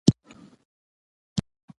د مالیې نه ورکړه د قانون سرغړونه ده.